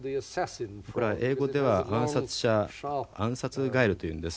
これは英語では暗殺者暗殺ガエルというんです。